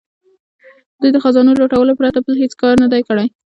دوی د خزانو لوټلو پرته بل هیڅ کار نه دی کړی.